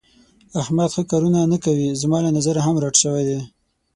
احمد ښه کارونه نه کوي. زما له نظره هم رټ شوی دی.